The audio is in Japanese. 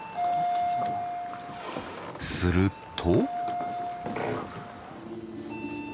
すると。